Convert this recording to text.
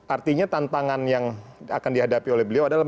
artinya tantangan yang akan dihadapi oleh beliau adalah